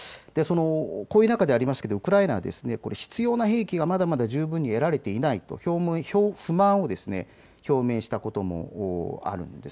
こういう中でウクライナは必要な兵器がまだまだ十分に得られていないと不満を表明したこともあるんです。